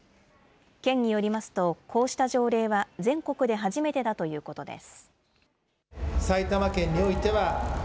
県によりますと、こうした条例は全国で初めてだということです。